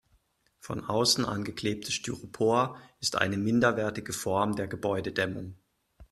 Von außen angeklebtes Styropor ist eine minderwertige Form der Gebäudedämmung.